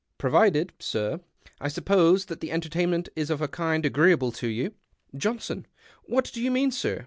—" Provided, sir, I sup pose, that the entertainment is of a kind agreeable to you ?" Johnson. —" What do you mean, sir